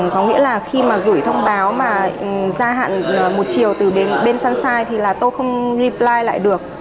có nghĩa là khi mà gửi thông báo mà gia hạn một chiều từ bên sunshine thì là tôi không reply lại được